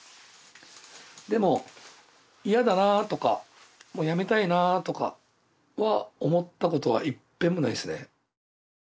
でも嫌だなとかもうやめたいなとかは思ったことはいっぺんもないですね。